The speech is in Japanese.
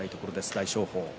大翔鵬。